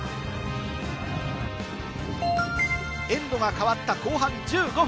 エンドがかわった後半１５分。